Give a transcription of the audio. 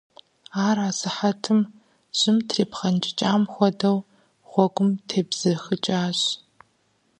Ар асыхьэтым, жьым трипхъэнкӀыкӀам хуэдэу, гъуэгум тебзэхыкӀащ.